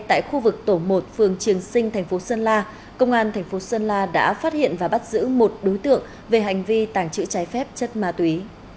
tại khu vực tổ một phường triềng sinh thành phố sơn la công an thành phố sơn la đã phát hiện và bắt giữ một đối tượng về hành vi tàng trữ trái phép chất ma túy